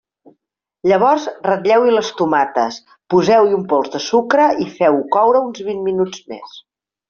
Llavors ratlleu-hi les tomates, poseu-hi un pols de sucre i feu-ho coure uns vint minuts més.